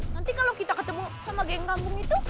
nanti kalau kita ketemu sama geng lambung itu